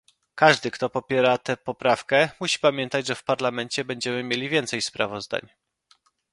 Każdy, kto popiera tę poprawkę, musi pamiętać, że w Parlamencie będziemy mieli więcej sprawozdań